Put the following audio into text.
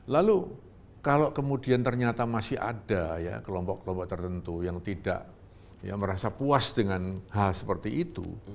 lalu kalau kemudian ternyata masih ada ya kelompok kelompok tertentu yang tidak merasa puas dengan hal seperti itu